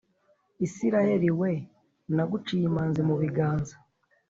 isiraheli we naguciye imanzi mu biganza